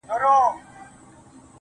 زلفي يې زما پر سر سايه جوړوي,